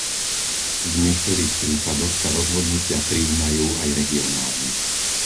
V niektorých prípadoch sa rozhodnutia prijímajú aj regionálne.